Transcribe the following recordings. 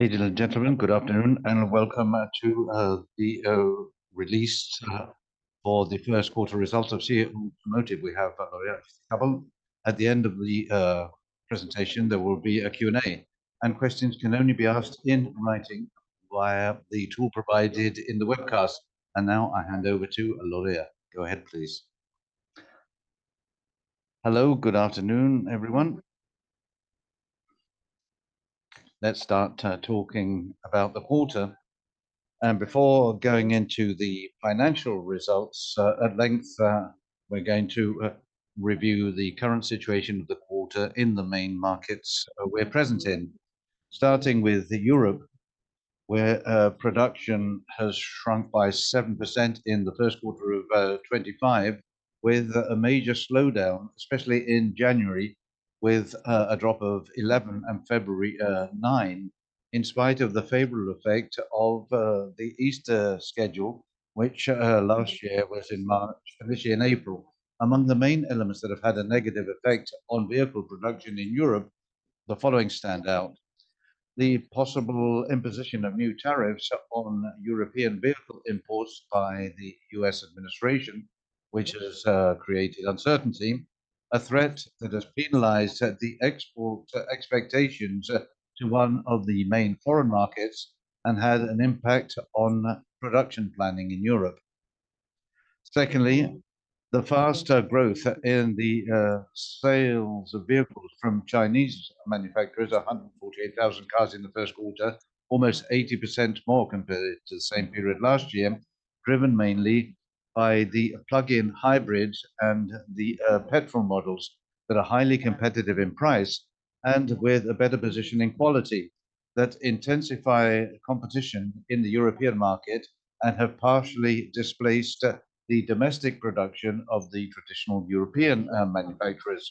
Ladies and gentlemen, good afternoon and welcome to the release for the first quarter results of CIE Automotive. We have a couple at the end of the presentation. There will be a Q&A, and questions can only be asked in writing via the tool provided in the webcast. Now I hand over to Lorea. Go ahead, please. Hello, good afternoon, everyone. Let's start talking about the quarter. Before going into the financial results at length, we're going to review the current situation of the quarter in the main markets we're present in. Starting with Europe, where production has shrunk by 7% in the first quarter of 2025, with a major slowdown, especially in January, with a drop of 11% in February and 9% in spite of the favorable effect of the Easter schedule, which last year was in March, this year in April. Among the main elements that have had a negative effect on vehicle production in Europe, the following stand out: the possible imposition of new tariffs on European vehicle imports by the U.S. administration, which has created uncertainty. A threat that has penalized the export expectations to one of the main foreign markets and had an impact on production planning in Europe. Secondly, the fast growth in the sales of vehicles from Chinese manufacturers—148,000 cars in the first quarter, almost 80% more compared to the same period last year—driven mainly by the plug-in hybrids and the petrol models that are highly competitive in price and with a better position in quality that intensify competition in the European market and have partially displaced the domestic production of the traditional European manufacturers.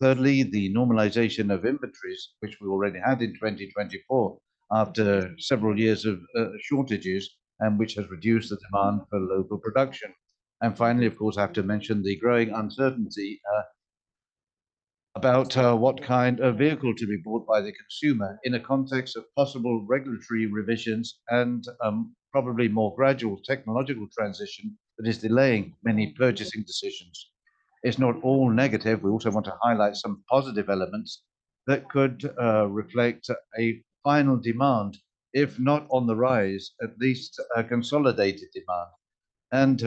Thirdly, the normalization of inventories, which we already had in 2024 after several years of shortages and which has reduced the demand for local production. Finally, of course, I have to mention the growing uncertainty about what kind of vehicle to be bought by the consumer in a context of possible regulatory revisions and probably more gradual technological transition that is delaying many purchasing decisions. It is not all negative. We also want to highlight some positive elements that could reflect a final demand, if not on the rise, at least a consolidated demand.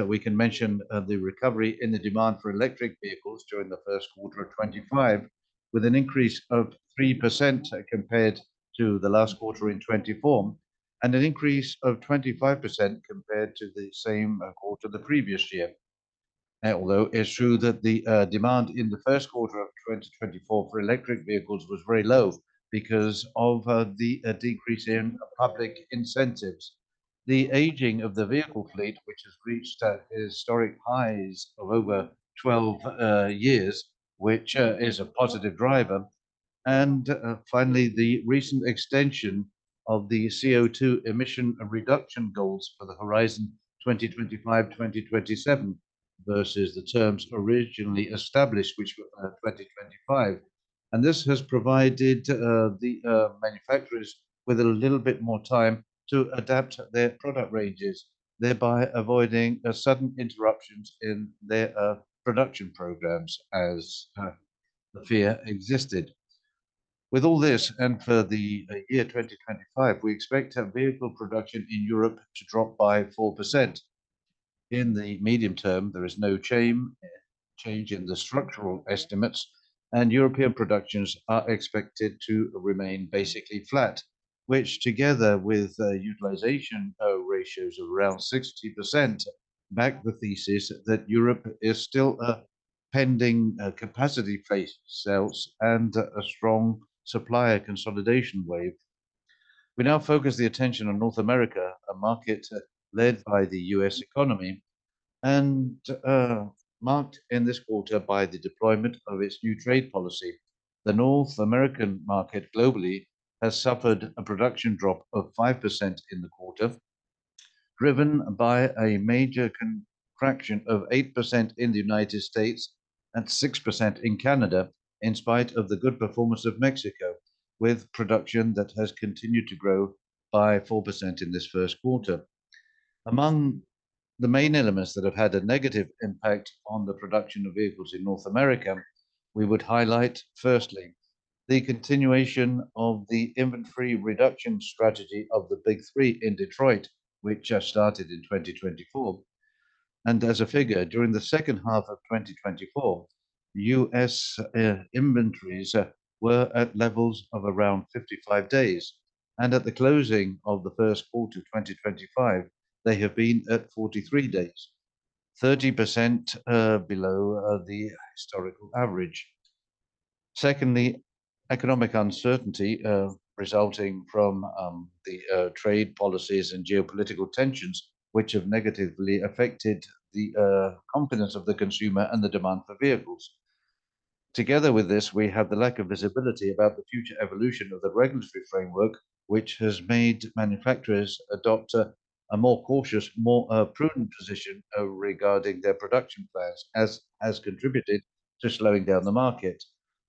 We can mention the recovery in the demand for electric vehicles during the first quarter of 2025, with an increase of 3% compared to the last quarter in 2024, and an increase of 25% compared to the same quarter the previous year. Although it's true that the demand in the first quarter of 2024 for electric vehicles was very low because of the decrease in public incentives, the aging of the vehicle fleet, which has reached historic highs of over 12 years, which is a positive driver, and finally, the recent extension of the CO2 emission reduction goals for the horizon 2025-2027 versus the terms originally established, which were 2025. This has provided the manufacturers with a little bit more time to adapt their product ranges, thereby avoiding sudden interruptions in their production programs as the fear existed. With all this, and for the year 2025, we expect vehicle production in Europe to drop by 4%. In the medium term, there is no change in the structural estimates, and European productions are expected to remain basically flat, which together with utilization ratios of around 60% back the thesis that Europe is still a pending capacity place sales and a strong supplier consolidation wave. We now focus the attention on North America, a market led by the U.S. economy and marked in this quarter by the deployment of its new trade policy. The North American market globally has suffered a production drop of 5% in the quarter, driven by a major contraction of 8% in the United States and 6% in Canada, in spite of the good performance of Mexico, with production that has continued to grow by 4% in this first quarter. Among the main elements that have had a negative impact on the production of vehicles in North America, we would highlight, firstly, the continuation of the inventory reduction strategy of the Big Three in Detroit, which started in 2024. As a figure, during the second half of 2024, U.S. inventories were at levels of around 55 days, and at the closing of the first quarter of 2025, they have been at 43 days, 30% below the historical average. Secondly, economic uncertainty resulting from the trade policies and geopolitical tensions, which have negatively affected the confidence of the consumer and the demand for vehicles. Together with this, we have the lack of visibility about the future evolution of the regulatory framework, which has made manufacturers adopt a more cautious, more prudent position regarding their production plans, as has contributed to slowing down the market.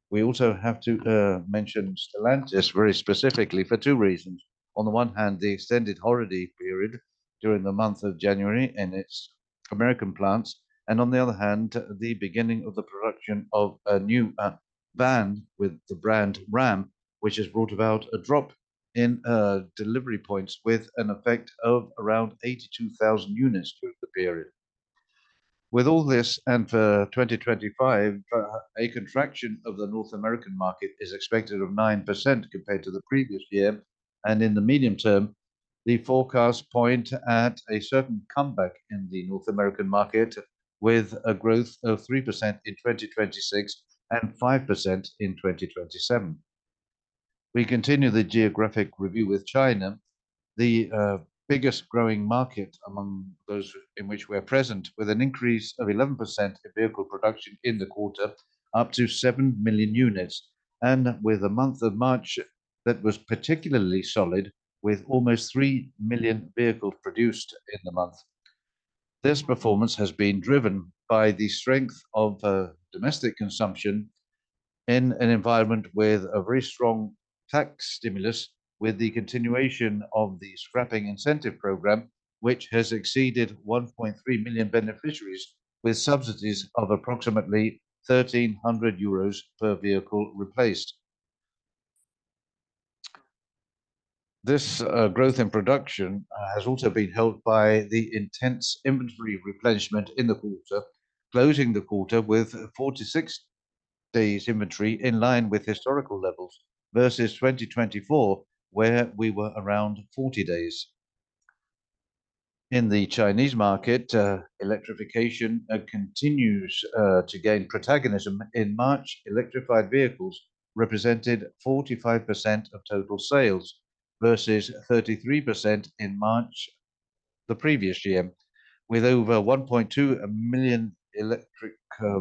We also have to mention Stellantis very specifically for two reasons. On the one hand, the extended holiday period during the month of January in its American plants, and on the other hand, the beginning of the production of a new van with the brand RAM, which has brought about a drop in delivery points with an effect of around 82,000 units during the period. With all this, and for 2025, a contraction of the North American market is expected of 9% compared to the previous year, and in the medium term, the forecasts point at a certain comeback in the North American market with a growth of 3% in 2026 and 5% in 2027. We continue the geographic review with China, the biggest growing market among those in which we are present, with an increase of 11% in vehicle production in the quarter, up to 7 million units, and with a month of March that was particularly solid, with almost 3 million vehicles produced in the month. This performance has been driven by the strength of domestic consumption in an environment with a very strong tax stimulus, with the continuation of the scrapping incentive program, which has exceeded 1.3 million beneficiaries with subsidies of approximately 1,300 euros per vehicle replaced. This growth in production has also been helped by the intense inventory replenishment in the quarter, closing the quarter with 46 days inventory in line with historical levels versus 2024, where we were around 40 days. In the Chinese market, electrification continues to gain protagonism. In March, electrified vehicles represented 45% of total sales versus 33% in March the previous year, with over 1.2 million electric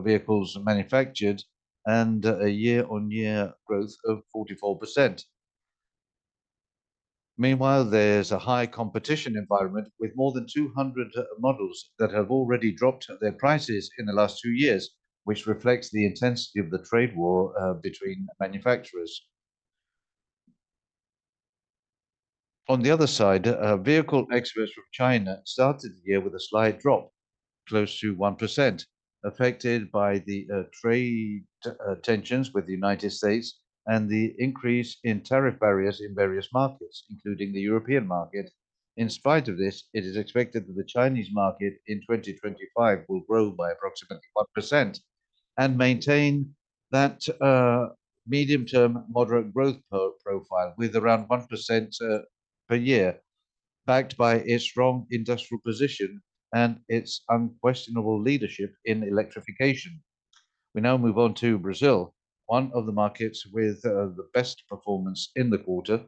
vehicles manufactured and a year-on-year growth of 44%. Meanwhile, there's a high competition environment with more than 200 models that have already dropped their prices in the last two years, which reflects the intensity of the trade war between manufacturers. On the other side, vehicle exports from China started the year with a slight drop, close to 1%, affected by the trade tensions with the United States and the increase in tariff barriers in various markets, including the European market. In spite of this, it is expected that the Chinese market in 2025 will grow by approximately 1% and maintain that medium-term moderate growth profile with around 1% per year, backed by its strong industrial position and its unquestionable leadership in electrification. We now move on to Brazil, one of the markets with the best performance in the quarter,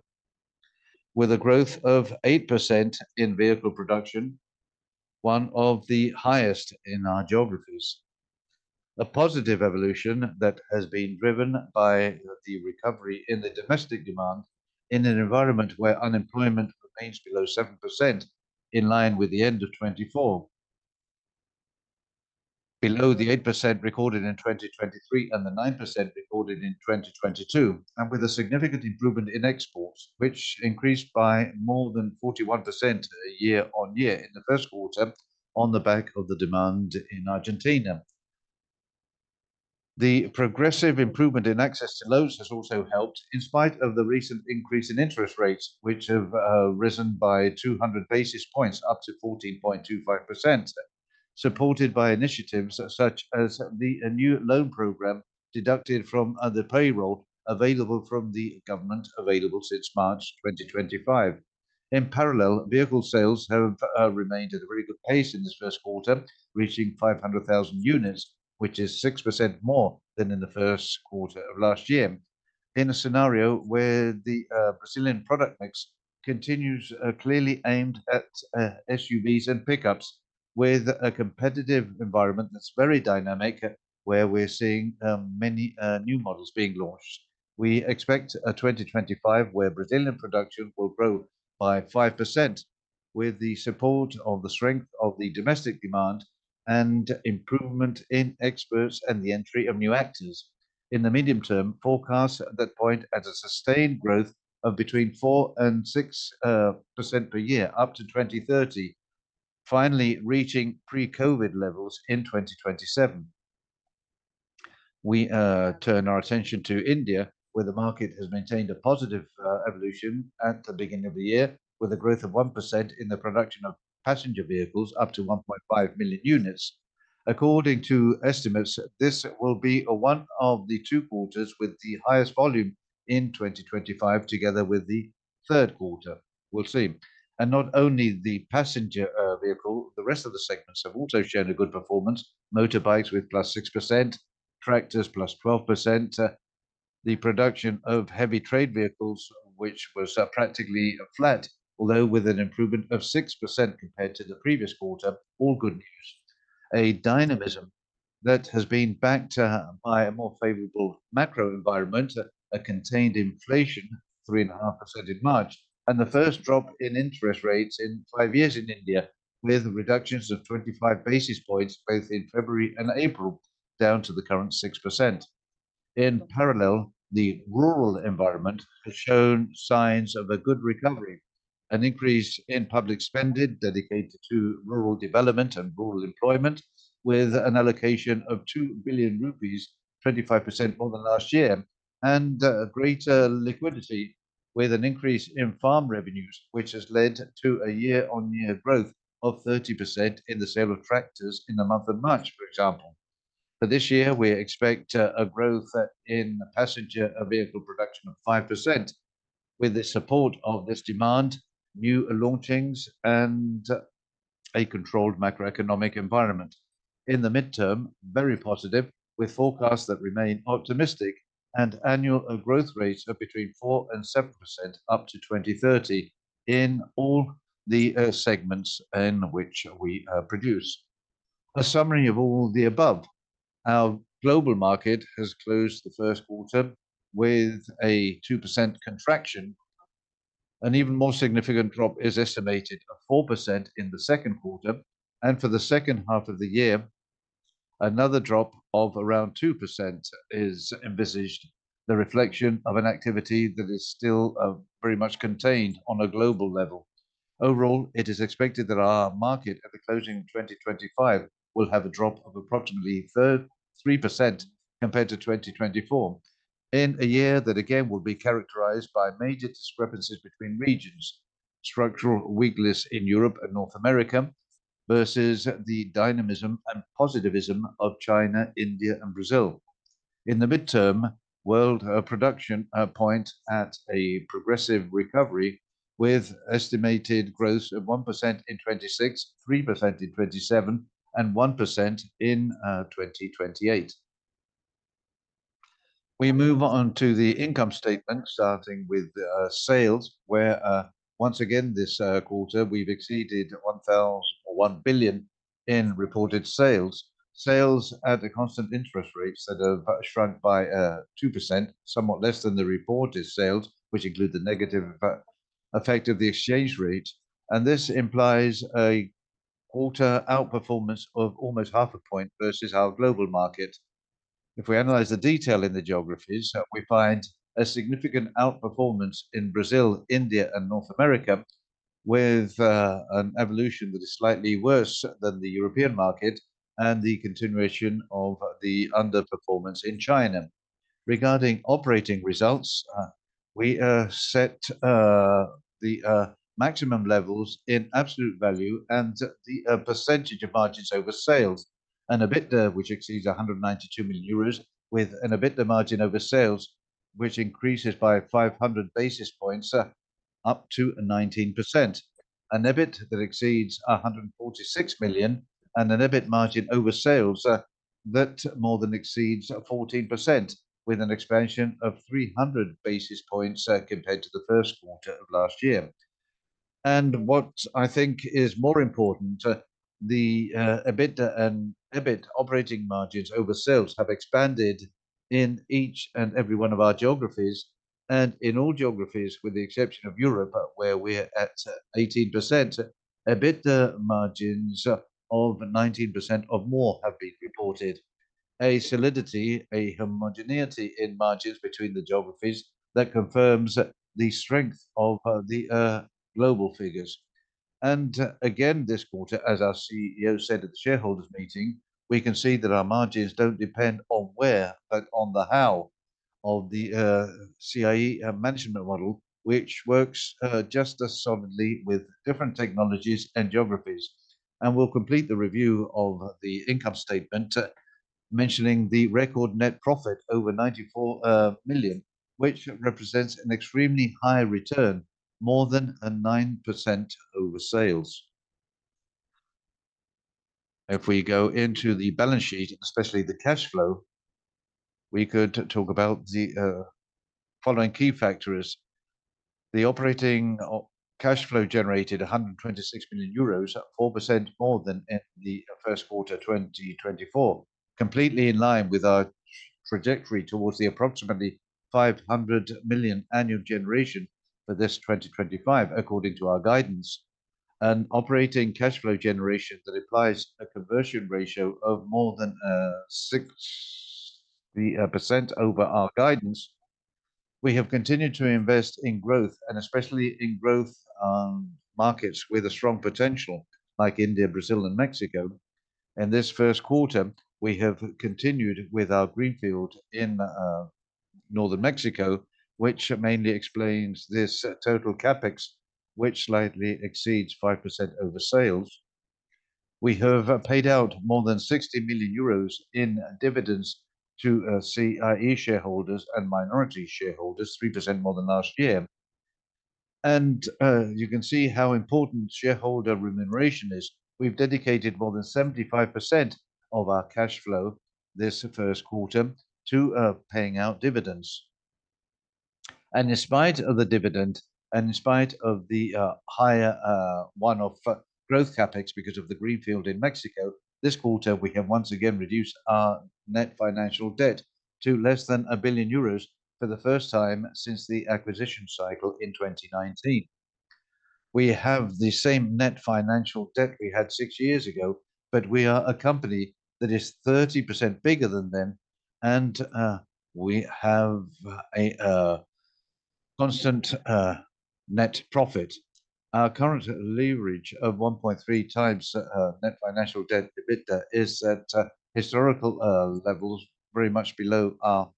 with a growth of 8% in vehicle production, one of the highest in our geographies. A positive evolution that has been driven by the recovery in the domestic demand in an environment where unemployment remains below 7% in line with the end of 2024, below the 8% recorded in 2023 and the 9% recorded in 2022, and with a significant improvement in exports, which increased by more than 41% year-on-year in the first quarter on the back of the demand in Argentina. The progressive improvement in access to loans has also helped, in spite of the recent increase in interest rates, which have risen by 200 basis points, up to 14.25%, supported by initiatives such as the new loan program deducted from the payroll available from the government available since March 2025. In parallel, vehicle sales have remained at a very good pace in this first quarter, reaching 500,000 units, which is 6% more than in the first quarter of last year, in a scenario where the Brazilian product mix continues clearly aimed at SUVs and pickups, with a competitive environment that's very dynamic, where we're seeing many new models being launched. We expect 2025, where Brazilian production will grow by 5%, with the support of the strength of the domestic demand and improvement in exports and the entry of new actors. In the medium term, forecasts at that point at a sustained growth of between 4% and 6% per year up to 2030, finally reaching pre-COVID levels in 2027. We turn our attention to India, where the market has maintained a positive evolution at the beginning of the year, with a growth of 1% in the production of passenger vehicles, up to 1.5 million units. According to estimates, this will be one of the two quarters with the highest volume in 2025, together with the third quarter. We'll see. Not only the passenger vehicle, the rest of the segments have also shown a good performance: motorbikes with +6%, tractors +12%, the production of heavy trade vehicles, which was practically flat, although with an improvement of 6% compared to the previous quarter. All good news. A dynamism that has been backed by a more favorable macro environment, a contained inflation of 3.5% in March, and the first drop in interest rates in five years in India, with reductions of 25 basis points both in February and April, down to the current 6%. In parallel, the rural environment has shown signs of a good recovery: an increase in public spending dedicated to rural development and rural employment, with an allocation of 2 billion rupees, 25% more than last year, and greater liquidity, with an increase in farm revenues, which has led to a year-on-year growth of 30% in the sale of tractors in the month of March, for example. For this year, we expect a growth in passenger vehicle production of 5%, with the support of this demand, new launchings, and a controlled macroeconomic environment. In the midterm, very positive, with forecasts that remain optimistic, and annual growth rates of between 4% and 7% up to 2030 in all the segments in which we produce. A summary of all the above: our global market has closed the first quarter with a 2% contraction. An even more significant drop is estimated of 4% in the second quarter, and for the second half of the year, another drop of around 2% is envisaged, the reflection of an activity that is still very much contained on a global level. Overall, it is expected that our market at the closing of 2025 will have a drop of approximately 3% compared to 2024, in a year that again will be characterized by major discrepancies between regions, structural weakness in Europe and North America, versus the dynamism and positivism of China, India, and Brazil. In the midterm, world production points at a progressive recovery, with estimated growth of 1% in 2026, 3% in 2027, and 1% in 2028. We move on to the income statement, starting with sales, where once again this quarter we've exceeded 1 billion in reported sales. Sales at a constant interest rate that have shrunk by 2%, somewhat less than the reported sales, which include the negative effect of the exchange rate. This implies a quarter outperformance of almost half a point versus our global market. If we analyze the detail in the geographies, we find a significant outperformance in Brazil, India, and North America, with an evolution that is slightly worse than the European market and the continuation of the underperformance in China. Regarding operating results, we set the maximum levels in absolute value and the percentage of margins over sales, an EBITDA which exceeds 192 million euros, with an EBITDA margin over sales which increases by 500 basis points, up to 19%, an EBIT that exceeds 146 million, and an EBIT margin over sales that more than exceeds 14%, with an expansion of 300 basis points compared to the first quarter of last year. What I think is more important, the EBITDA and EBIT operating margins over sales have expanded in each and every one of our geographies, and in all geographies, with the exception of Europe, where we're at 18%, EBITDA margins of 19% or more have been reported. A solidity, a homogeneity in margins between the geographies that confirms the strength of the global figures. This quarter, as our CEO said at the shareholders meeting, we can see that our margins do not depend on where, but on the how of the CIE management model, which works just as solidly with different technologies and geographies. We will complete the review of the income statement, mentioning the record net profit over 94 million, which represents an extremely high return, more than 9% over sales. If we go into the balance sheet, especially the cash flow, we could talk about the following key factors: the operating cash flow generated 126 million euros, 4% more than in the first quarter of 2024, completely in line with our trajectory towards the approximately 500 million annual generation for this 2025, according to our guidance. An operating cash flow generation that implies a conversion ratio of more than 6% over our guidance. We have continued to invest in growth, and especially in growth markets with a strong potential like India, Brazil, and Mexico. In this first quarter, we have continued with our greenfield in northern Mexico, which mainly explains this total CapEx, which slightly exceeds 5% over sales. We have paid out more than 60 million euros in dividends to CIE shareholders and minority shareholders, 3% more than last year. You can see how important shareholder remuneration is. We've dedicated more than 75% of our cash flow this first quarter to paying out dividends. In spite of the dividend, and in spite of the higher one-off growth CapEx because of the greenfield in Mexico, this quarter we have once again reduced our net financial debt to less than 1 billion euros for the first time since the acquisition cycle in 2019. We have the same net financial debt we had six years ago, but we are a company that is 30% bigger than them, and we have a constant net profit. Our current leverage of 1.3 times net financial debt EBITDA is at historical levels, very much below our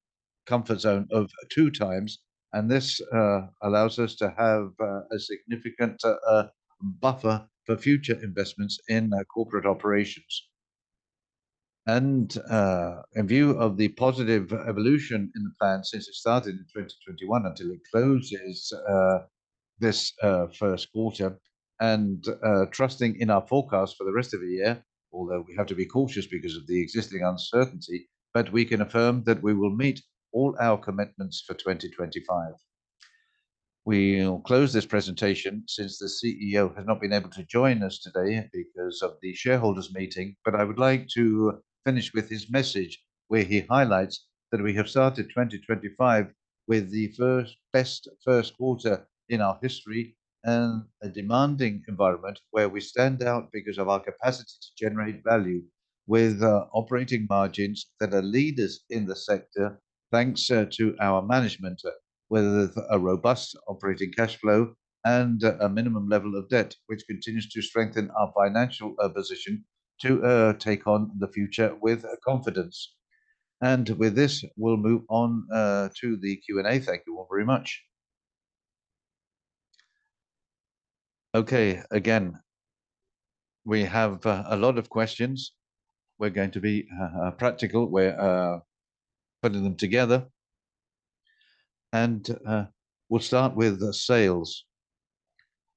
comfort zone of two times, and this allows us to have a significant buffer for future investments in corporate operations. In view of the positive evolution in the plan since it started in 2021 until it closes this first quarter, and trusting in our forecast for the rest of the year, although we have to be cautious because of the existing uncertainty, we can affirm that we will meet all our commitments for 2025. We'll close this presentation since the CEO has not been able to join us today because of the shareholders meeting, but I would like to finish with his message, where he highlights that we have started 2025 with the best first quarter in our history and a demanding environment where we stand out because of our capacity to generate value, with operating margins that are leaders in the sector, thanks to our management, with a robust operating cash flow and a minimum level of debt, which continues to strengthen our financial position to take on the future with confidence. With this, we'll move on to the Q&A. Thank you all very much. Okay, again, we have a lot of questions. We're going to be practical. We're putting them together. We'll start with sales.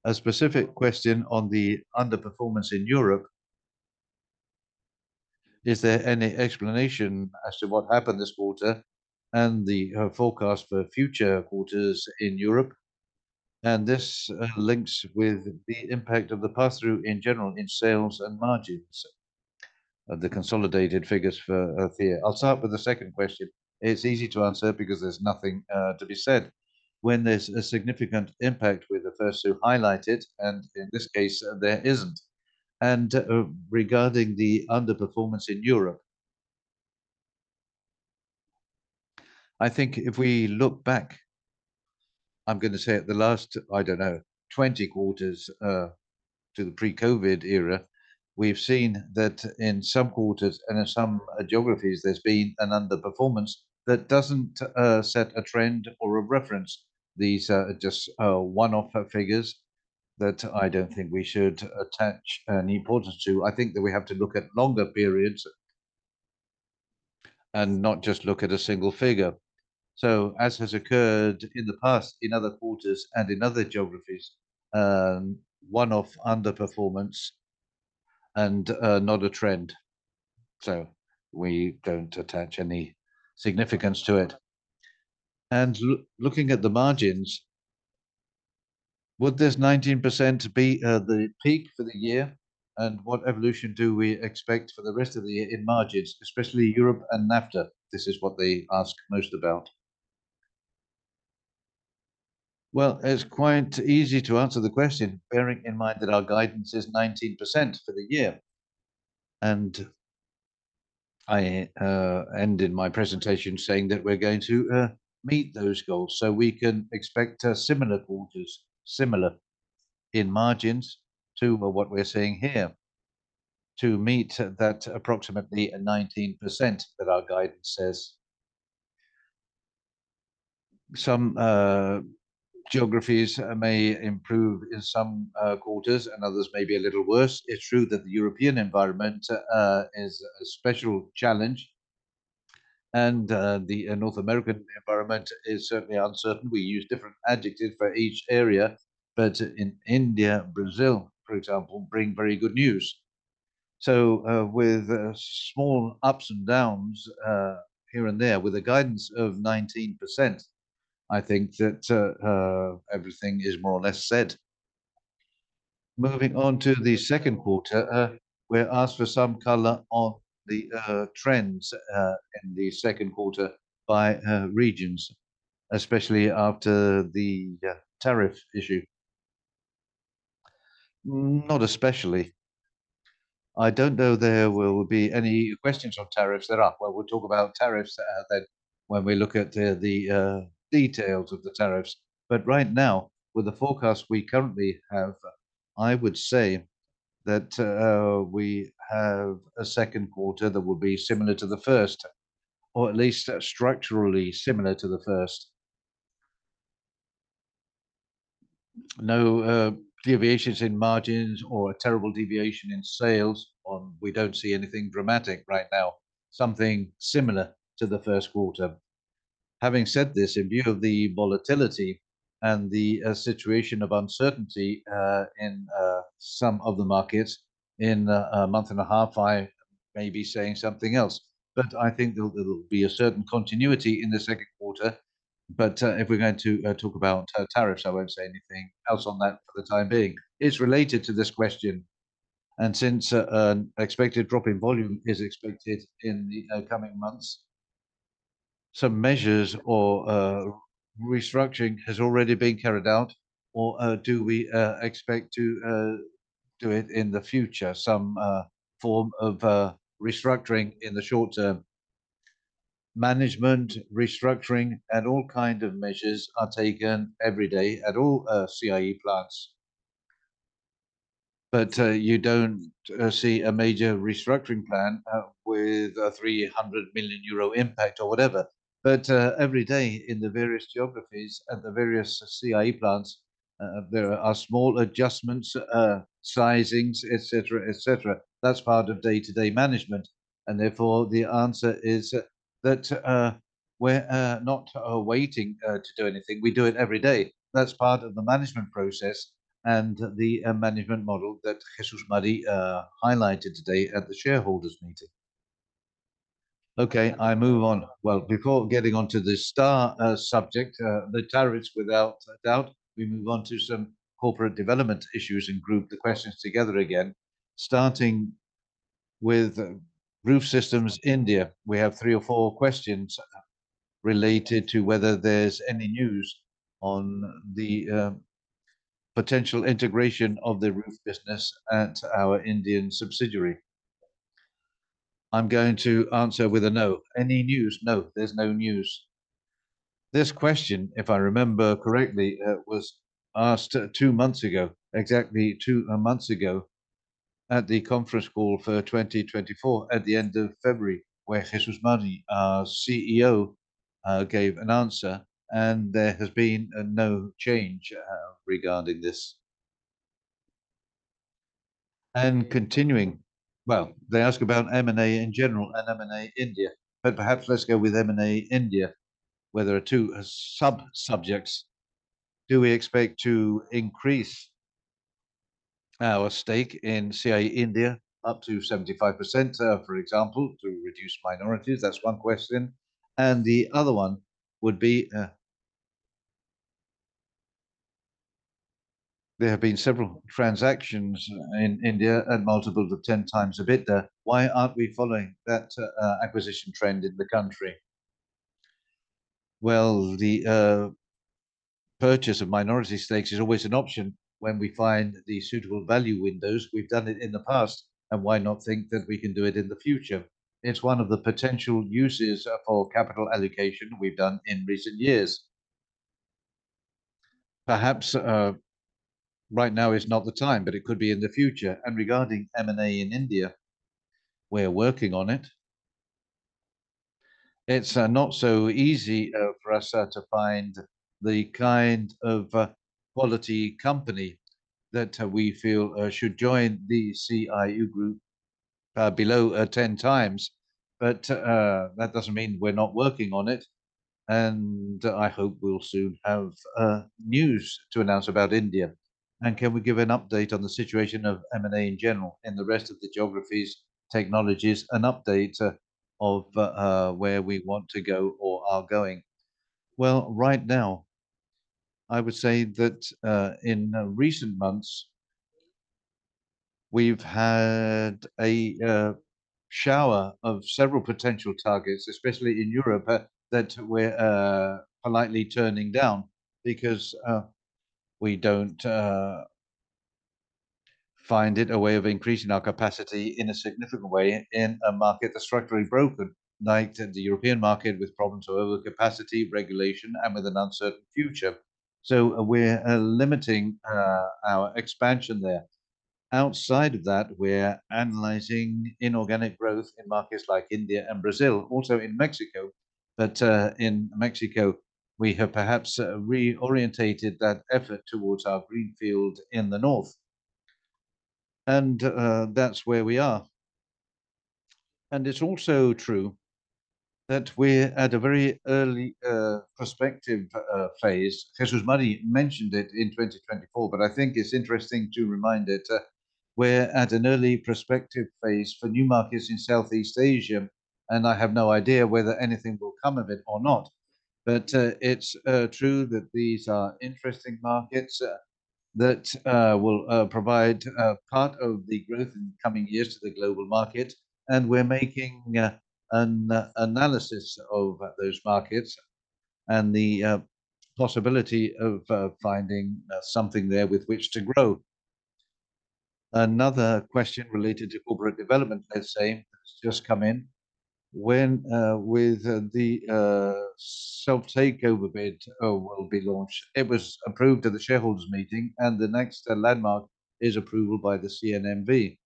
A specific question on the underperformance in Europe. Is there any explanation as to what happened this quarter and the forecast for future quarters in Europe? This links with the impact of the pass-through in general in sales and margins? The consolidated figures for here. I'll start with the second question. It's easy to answer because there's nothing to be said when there's a significant impact, with the first two highlighted, and in this case, there isn't. Regarding the underperformance in Europe, I think if we look back, I'm going to say at the last, I don't know, 20 quarters to the pre-COVID era, we've seen that in some quarters and in some geographies, there's been an underperformance that doesn't set a trend or a reference. These are just one-off figures that I don't think we should attach any importance to. I think that we have to look at longer periods and not just look at a single figure. As has occurred in the past, in other quarters and in other geographies, one-off underperformance and not a trend. We do not attach any significance to it. Looking at the margins, would this 19% be the peak for the year? What evolution do we expect for the rest of the year in margins, especially Europe and NAFTA? This is what they ask most about. It is quite easy to answer the question, bearing in mind that our guidance is 19% for the year. I ended my presentation saying that we are going to meet those goals, so we can expect similar quarters, similar in margins to what we are seeing here, to meet that approximately 19% that our guidance says. Some geographies may improve in some quarters and others may be a little worse. It's true that the European environment is a special challenge, and the North American environment is certainly uncertain. We use different adjectives for each area, but in India, Brazil, for example, bring very good news. With small ups and downs here and there, with a guidance of 19%, I think that everything is more or less said. Moving on to the second quarter, we're asked for some color on the trends in the second quarter by regions, especially after the tariff issue. Not especially. I don't know there will be any questions on tariffs thereafter. We'll talk about tariffs when we look at the details of the tariffs. Right now, with the forecast we currently have, I would say that we have a second quarter that will be similar to the first, or at least structurally similar to the first. No deviations in margins or a terrible deviation in sales. We do not see anything dramatic right now, something similar to the first quarter. Having said this, in view of the volatility and the situation of uncertainty in some of the markets, in a month and a half, I may be saying something else. I think there will be a certain continuity in the second quarter. If we are going to talk about tariffs, I will not say anything else on that for the time being. It is related to this question. Since an expected drop in volume is expected in the coming months, some measures or restructuring has already been carried out, or do we expect to do it in the future? Some form of restructuring in the short term. Management, restructuring, and all kinds of measures are taken every day at all CIE plants. You do not see a major restructuring plan with a 300 million euro impact or whatever. Every day in the various geographies at the various CIE plants, there are small adjustments, sizings, etc., etc. That is part of day-to-day management. Therefore, the answer is that we are not waiting to do anything. We do it every day. That is part of the management process and the management model that Jesús María highlighted today at the shareholders meeting. Okay, I move on. Before getting on to the star subject, the tariffs, without doubt, we move on to some corporate development issues and group the questions together again. Starting with roof systems India, we have three or four questions related to whether there is any news on the potential integration of the roof business at our Indian subsidiary. I am going to answer with a no. Any news? No, there is no news. This question, if I remember correctly, was asked two months ago, exactly two months ago, at the conference call for 2024 at the end of February, where Jesús María, our CEO, gave an answer, and there has been no change regarding this. Continuing, they ask about M&A in general and M&A India. Perhaps let's go with M&A India, where there are two sub-subjects. Do we expect to increase our stake in CIE India up to 75%, for example, to reduce minorities? That is one question. The other one would be, there have been several transactions in India at multiples of 10 times EBITDA. Why are we not following that acquisition trend in the country? The purchase of minority stakes is always an option when we find the suitable value windows. We have done it in the past, and why not think that we can do it in the future? It is one of the potential uses for capital allocation we have done in recent years. Perhaps right now is not the time, but it could be in the future. Regarding M&A in India, we are working on it. It is not so easy for us to find the kind of quality company that we feel should join the CIE group below 10 times. That does not mean we're not working on it. I hope we'll soon have news to announce about India. Can we give an update on the situation of M&A in general in the rest of the geographies, technologies, an update of where we want to go or are going? Right now, I would say that in recent months, we've had a shower of several potential targets, especially in Europe, that we're politely turning down because we do not find it a way of increasing our capacity in a significant way in a market that's structurally broken, like the European market, with problems of overcapacity, regulation, and with an uncertain future. We are limiting our expansion there. Outside of that, we're analyzing inorganic growth in markets like India and Brazil, also in Mexico. In Mexico, we have perhaps reorientated that effort towards our greenfield in the north. That's where we are. It's also true that we're at a very early prospective phase. Jesús María mentioned it in 2024, but I think it's interesting to remind it. We're at an early prospective phase for new markets in Southeast Asia, and I have no idea whether anything will come of it or not. It's true that these are interesting markets that will provide part of the growth in the coming years to the global market. We're making an analysis of those markets and the possibility of finding something there with which to grow. Another question related to corporate development, let's say, that's just come in. When will the self-takeover bid be launched? It was approved at the shareholders meeting, and the next landmark is approval by the CNMV.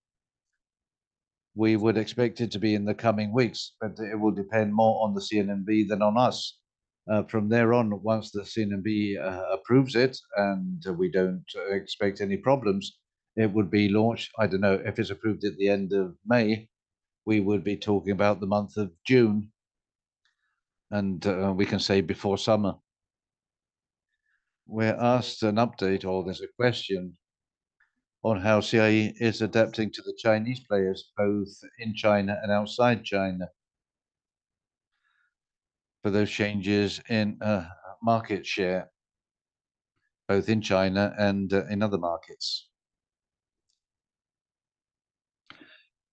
We would expect it to be in the coming weeks, but it will depend more on the CNMV than on us. From there on, once the CNMV approves it, and we do not expect any problems, it would be launched. I do not know if it is approved at the end of May. We would be talking about the month of June, and we can say before summer. We are asked an update, or there is a question on how CIE is adapting to the Chinese players, both in China and outside China, for those changes in market share, both in China and in other markets.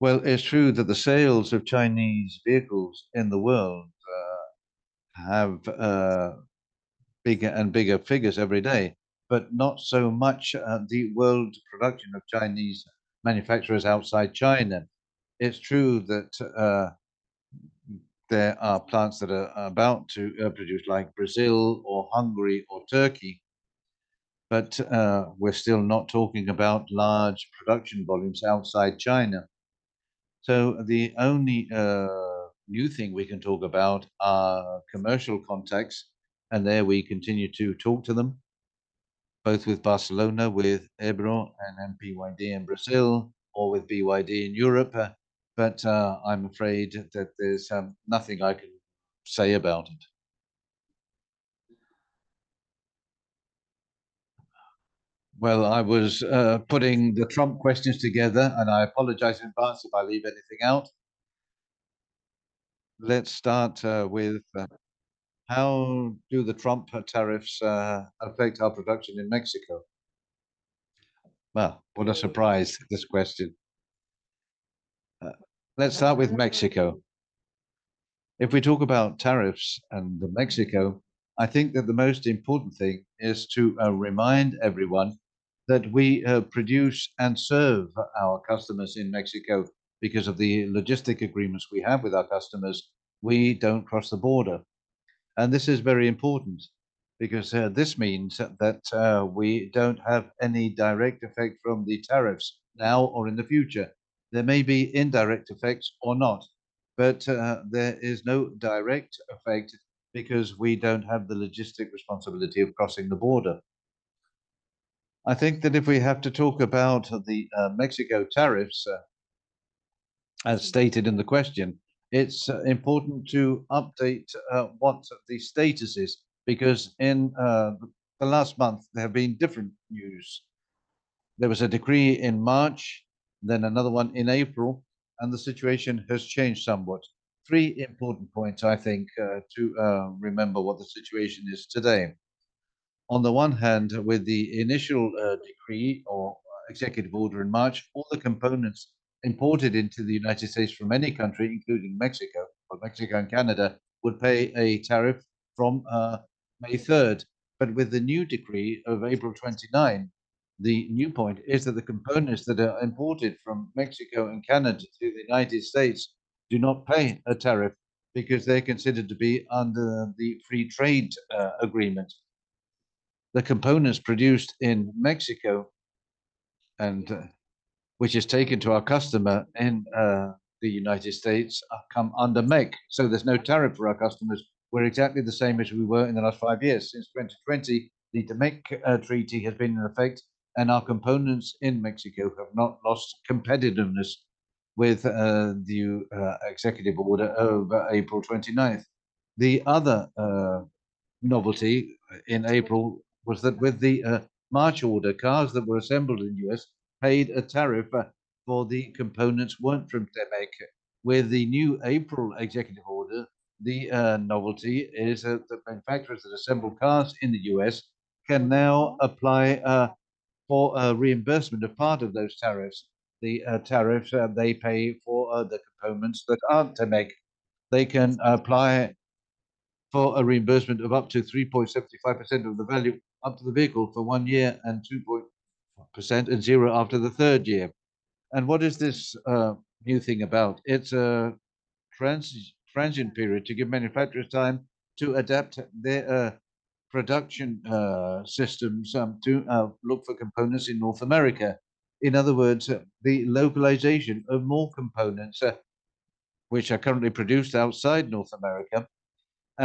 It is true that the sales of Chinese vehicles in the world have bigger and bigger figures every day, but not so much the world production of Chinese manufacturers outside China? It's true that there are plants that are about to produce, like Brazil or Hungary or Turkey, but we're still not talking about large production volumes outside China. The only new thing we can talk about are commercial contexts, and there we continue to talk to them, both with Barcelona, with Ebreo and MPYD in Brazil, or with BYD in Europe. I'm afraid that there's nothing I can say about it. I was putting the Trump questions together, and I apologize in advance if I leave anything out. Let's start with how do the Trump tariffs affect our production in Mexico? What a surprise, this question. Let's start with Mexico. If we talk about tariffs and Mexico, I think that the most important thing is to remind everyone that we produce and serve our customers in Mexico because of the logistic agreements we have with our customers. We do not cross the border. This is very important because this means that we do not have any direct effect from the tariffs now or in the future. There may be indirect effects or not, but there is no direct effect because we do not have the logistic responsibility of crossing the border. I think that if we have to talk about the Mexico tariffs, as stated in the question, it is important to update one of the statuses because in the last month, there have been different news. There was a decree in March, then another one in April, and the situation has changed somewhat. Three important points, I think, to remember what the situation is today. On the one hand, with the initial decree or executive order in March, all the components imported into the United States from any country, including Mexico and Canada, would pay a tariff from May 3rd. With the new decree of April 29, the new point is that the components that are imported from Mexico and Canada to the United States do not pay a tariff because they're considered to be under the free trade agreement. The components produced in Mexico, and which is taken to our customer in the United States, come under USMCA. There is no tariff for our customers. We're exactly the same as we were in the last five years. Since 2020, the USMCA treaty has been in effect, and our components in Mexico have not lost competitiveness with the executive order of April 29. The other novelty in April was that with the March order, cars that were assembled in the U.S. paid a tariff for the components that were not from USMCA. With the new April executive order, the novelty is that the manufacturers that assemble cars in the U.S. can now apply for a reimbursement of part of those tariffs. The tariffs they pay for the components that are not USMCA, they can apply for a reimbursement of up to 3.75% of the value up to the vehicle for one year, 2.5%, and zero after the third year. What is this new thing about? It is a transient period to give manufacturers time to adapt their production systems to look for components in North America. In other words, the localization of more components which are currently produced outside North America.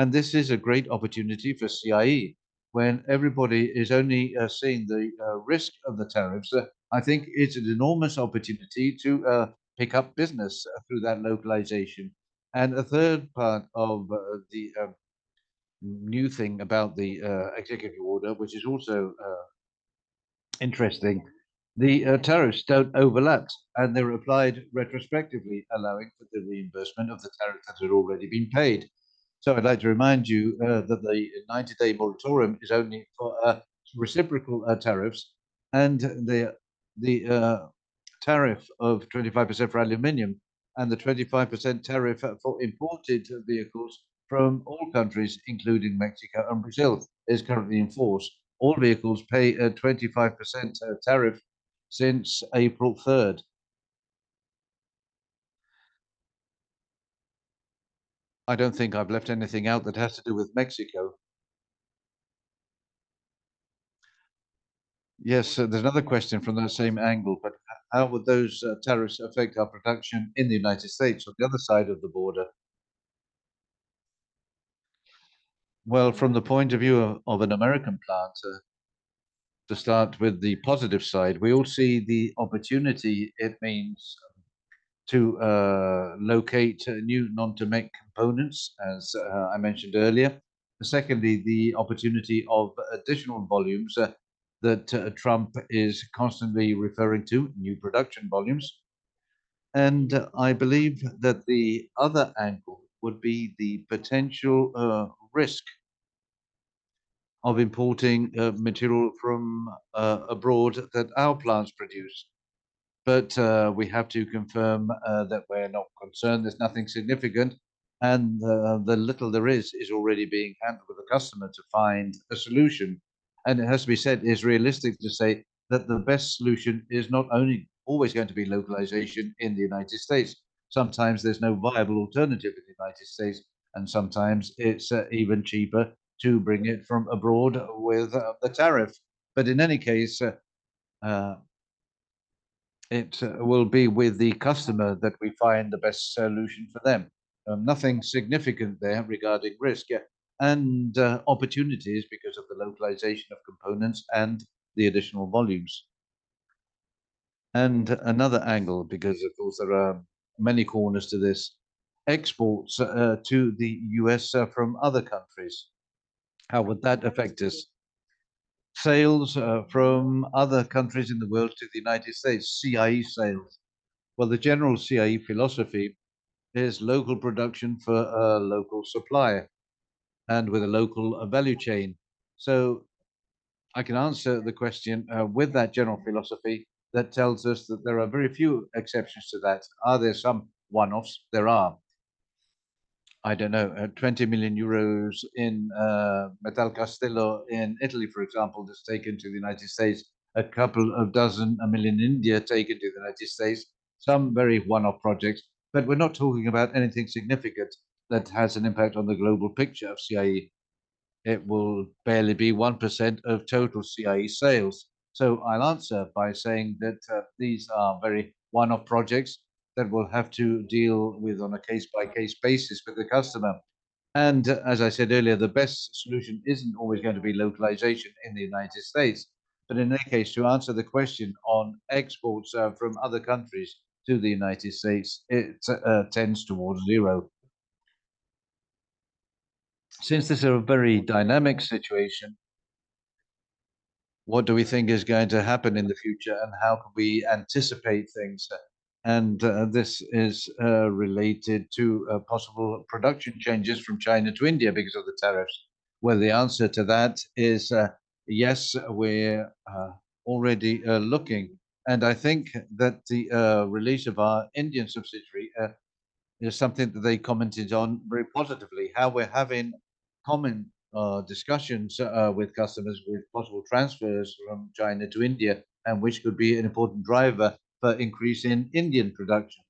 This is a great opportunity for CIE. When everybody is only seeing the risk of the tariffs, I think it's an enormous opportunity to pick up business through that localization. The third part of the new thing about the executive order, which is also interesting, the tariffs do not overlap, and they're applied retrospectively, allowing for the reimbursement of the tariff that had already been paid. I'd like to remind you that the 90-day moratorium is only for reciprocal tariffs. The tariff of 25% for aluminium and the 25% tariff for imported vehicles from all countries, including Mexico and Brazil, is currently in force. All vehicles pay a 25% tariff since April 3rd. I don't think I've left anything out that has to do with Mexico. Yes, there's another question from that same angle, but how would those tariffs affect our production in the United States on the other side of the border? From the point of view of an American plant, to start with the positive side, we all see the opportunity. It means to locate new non-to-make components, as I mentioned earlier. Secondly, the opportunity of additional volumes that Trump is constantly referring to, new production volumes. I believe that the other angle would be the potential risk of importing material from abroad that our plants produce. We have to confirm that we're not concerned. There's nothing significant. The little there is, is already being handled with the customer to find a solution. It has to be said, it's realistic to say that the best solution is not only always going to be localization in the United States. Sometimes there's no viable alternative in the United States, and sometimes it's even cheaper to bring it from abroad with the tariff. In any case, it will be with the customer that we find the best solution for them. Nothing significant there regarding risk and opportunities because of the localization of components and the additional volumes. Another angle, because of course, there are many corners to this, exports to the United States from other countries. How would that affect us? Sales from other countries in the world to the United States, CIE sales. The general CIE philosophy is local production for a local supplier and with a local value chain. I can answer the question with that general philosophy that tells us that there are very few exceptions to that. Are there some one-offs? There are. I don't know. 20 million in Metal Castello in Italy, for example, just taken to the United States. A couple of dozen million in India taken to the United States. Some very one-off projects. We're not talking about anything significant that has an impact on the global picture of CIE Automotive. It will barely be 1% of total CIE Automotive sales. I'll answer by saying that these are very one-off projects that we'll have to deal with on a case-by-case basis for the customer. As I said earlier, the best solution is not always going to be localization in the United States. In any case, to answer the question on exports from other countries to the United States, it tends towards zero. Since this is a very dynamic situation, what do we think is going to happen in the future, and how can we anticipate things? This is related to possible production changes from China to India because of the tariffs. The answer to that is yes, we're already looking. I think that the release of our Indian subsidiary is something that they commented on very positively, how we're having common discussions with customers with possible transfers from China to India, which could be an important driver for increasing Indian production.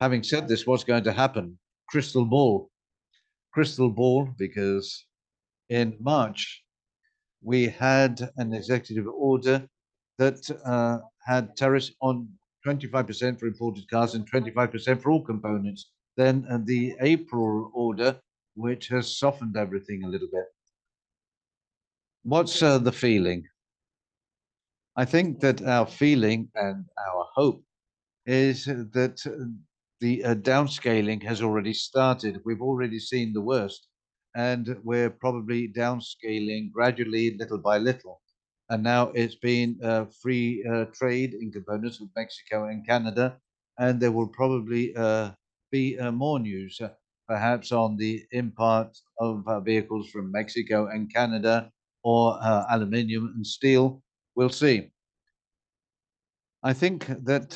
Having said this, what's going to happen? Crystal ball. Crystal ball because in March, we had an executive order that had tariffs at 25% for imported cars and 25% for all components. The April order has softened everything a little bit. What's the feeling? I think that our feeling and our hope is that the downscaling has already started. We've already seen the worst, and we're probably downscaling gradually, little by little. Now it's been free trade in components with Mexico and Canada, and there will probably be more news, perhaps on the import of vehicles from Mexico and Canada or aluminium and steel. We'll see. I think that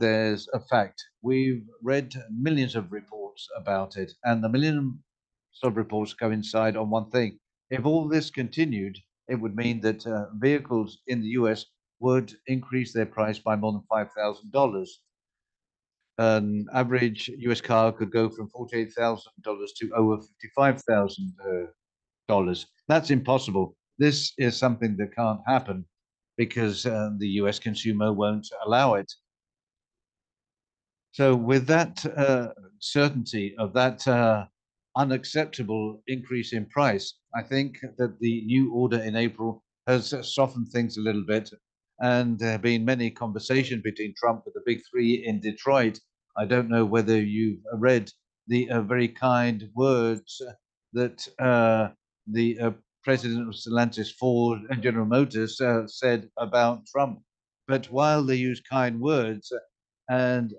there's a fact. We've read millions of reports about it, and the millions of reports coincide on one thing. If all this continued, it would mean that vehicles in the U.S. would increase their price by more than $5,000. An average U.S. car could go from $48,000 to over $55,000. That's impossible. This is something that can't happen because the U.S. consumer won't allow it. With that certainty of that unacceptable increase in price, I think that the new order in April has softened things a little bit. There have been many conversations between Trump and the Big Three in Detroit. I don't know whether you've read the very kind words that the president of Stellantis, Ford, and General Motors said about Trump. While they use kind words and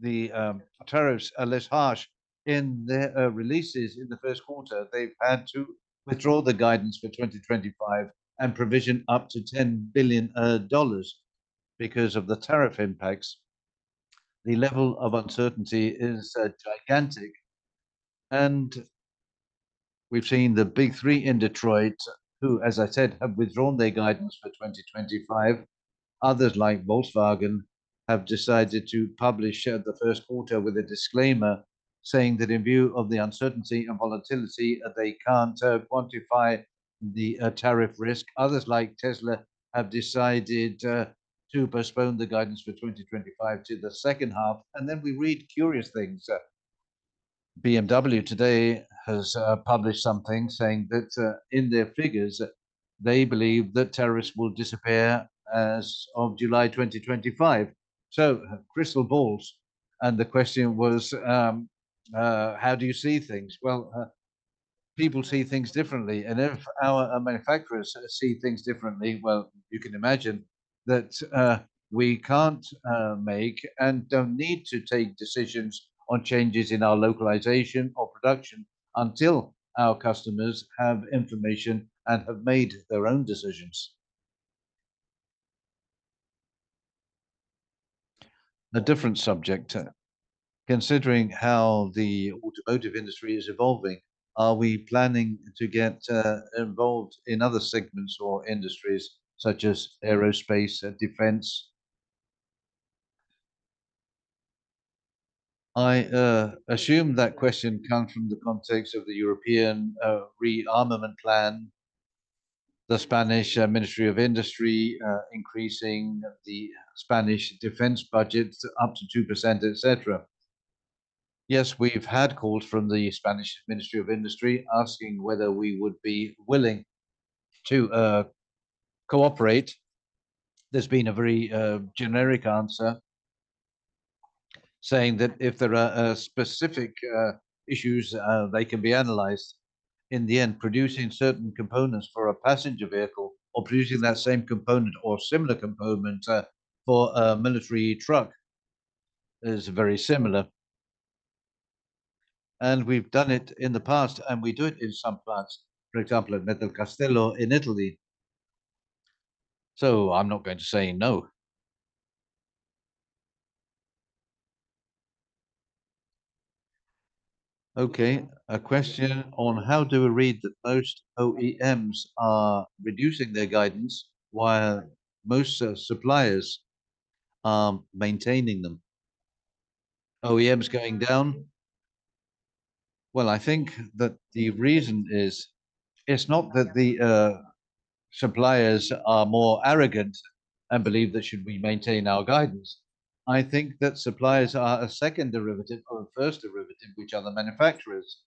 the tariffs are less harsh in their releases in the first quarter, they've had to withdraw the guidance for 2025 and provision up to $10 billion because of the tariff impacts. The level of uncertainty is gigantic. We've seen the Big Three in Detroit, who, as I said, have withdrawn their guidance for 2025. Others like Volkswagen have decided to publish the first quarter with a disclaimer saying that in view of the uncertainty and volatility, they can't quantify the tariff risk. Others like Tesla have decided to postpone the guidance for 2025 to the second half. Then we read curious things. BMW today has published something saying that in their figures, they believe that tariffs will disappear as of July 2025. Crystal balls. The question was, how do you see things? People see things differently. If our manufacturers see things differently, you can imagine that we can't make and don't need to take decisions on changes in our localization or production until our customers have information and have made their own decisions. A different subject. Considering how the automotive industry is evolving, are we planning to get involved in other segments or industries such as aerospace and defense? I assume that question comes from the context of the European rearmament plan, the Spanish Ministry of Industry increasing the Spanish defense budget up to 2%, etc. Yes, we've had calls from the Spanish Ministry of Industry asking whether we would be willing to cooperate. There's been a very generic answer saying that if there are specific issues, they can be analyzed. In the end, producing certain components for a passenger vehicle or producing that same component or similar component for a military truck is very similar. And we've done it in the past, and we do it in some plants, for example, at Metal Castello in Italy. So I'm not going to say no. Okay. A question on how do we read that most OEMs are reducing their guidance while most suppliers are maintaining them. OEMs going down. I think that the reason is it's not that the suppliers are more arrogant and believe that should we maintain our guidance. I think that suppliers are a second derivative or a first derivative, which are the manufacturers.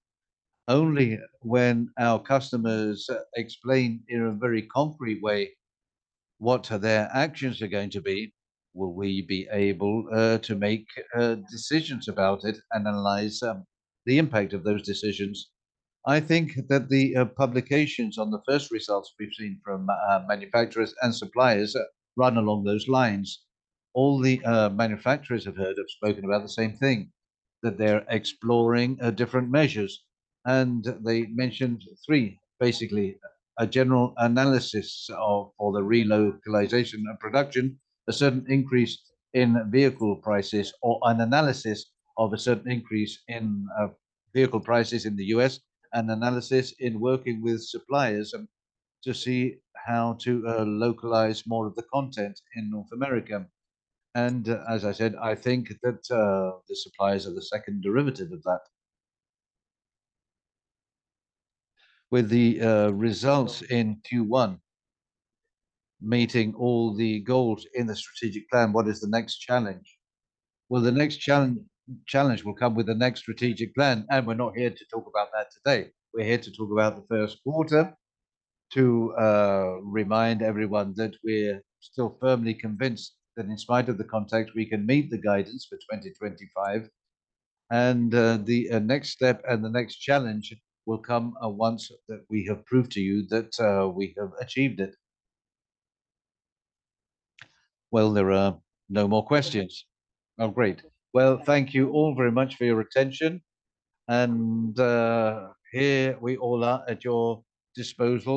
Only when our customers explain in a very concrete way what their actions are going to be, will we be able to make decisions about it and analyze the impact of those decisions. I think that the publications on the first results we have seen from manufacturers and suppliers run along those lines. All the manufacturers have heard of spoken about the same thing, that they are exploring different measures. They mentioned three, basically, a general analysis for the relocalization of production, a certain increase in vehicle prices, or an analysis of a certain increase in vehicle prices in the U.S., an analysis in working with suppliers to see how to localize more of the content in North America. As I said, I think that the suppliers are the second derivative of that. With the results in Q1 meeting all the goals in the strategic plan, what is the next challenge? The next challenge will come with the next strategic plan, and we're not here to talk about that today. We're here to talk about the first quarter to remind everyone that we're still firmly convinced that in spite of the context, we can meet the guidance for 2025. The next step and the next challenge will come once that we have proved to you that we have achieved it. There are no more questions. Great. Thank you all very much for your attention. Here we all are at your disposal.